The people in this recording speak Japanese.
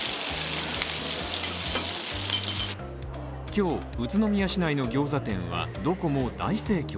今日、宇都宮市内の餃子店はどこも大盛況。